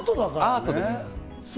アートです。